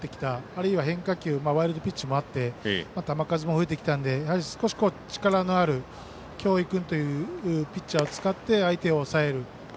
あるいは変化球ワイルドピッチもあって球数も増えてきたのでやはり力のある京井君というピッチャーを使って相手を抑える。